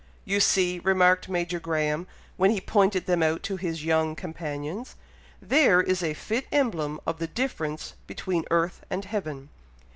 "You see," remarked Major Graham, when he pointed them out to his young companions, "there is a fit emblem of the difference between earth and heaven.